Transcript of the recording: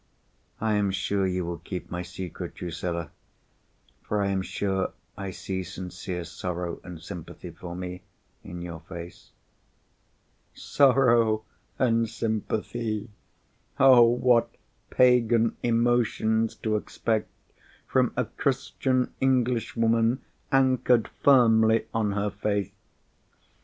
I am sure you will keep my secret, Drusilla—for I am sure I see sincere sorrow and sympathy for me in your face." Sorrow and sympathy! Oh, what Pagan emotions to expect from a Christian Englishwoman anchored firmly on her faith!